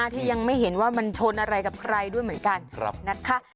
ที่ยังไม่เห็นว่ามันชนอะไรกับใครด้วยเหมือนกันนะคะ